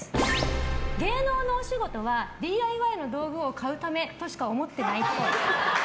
芸能のお仕事はＤＩＹの道具を買うためとしか思ってないっぽい。